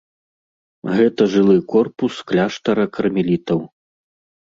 Гэта жылы корпус кляштара кармелітаў.